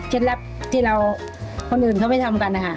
ลับที่เราคนอื่นเขาไม่ทำกันนะคะ